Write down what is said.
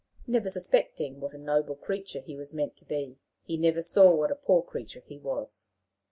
Never suspecting what a noble creature he was meant to be, he never saw what a poor creature he was.